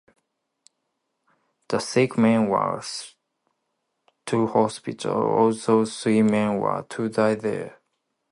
The sick men were sent to hospital, although three men were to die there.